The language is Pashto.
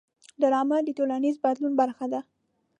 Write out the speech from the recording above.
ډرامه د ټولنیز بدلون برخه ده